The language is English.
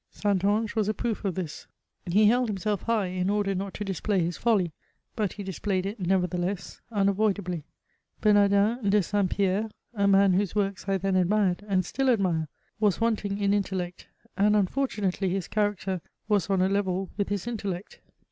Saint Ange was a proof of this ; he held himself high in order not to display his folly, but he dis played it, nevertheless, unavoidably. Bemardin de St. Pierre, a man whose works I then admired and still admire, was wanting in intellect, and unfortunately his character was on a level with his intellect.